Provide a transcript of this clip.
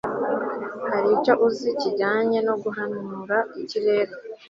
hari icyo uzi kijyanye no guhanura ikirere